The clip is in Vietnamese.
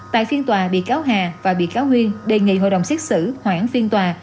tại phiên tòa bị cáo hà và bị cáo huyên đề nghị hội đồng xét xử hoãn phiên tòa